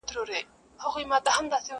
علم وویل زما ډیر دي آدرسونه،